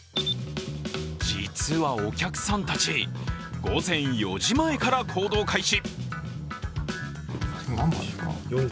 実はお客さんたち、午前４時前から行動開始。